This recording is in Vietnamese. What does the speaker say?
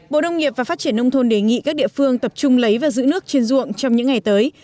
bộ đông nghiệp và phát triển nông thôn đề nghị các địa phương tập trung lấy và giữ nước trên ruộng trong những ngày tới